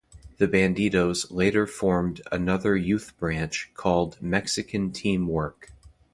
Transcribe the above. The Bandidos later former another youth branch called Mexican Team Work.